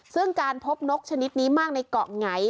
ซึ่งการพบนกชนิดนี้มากในเกาะไง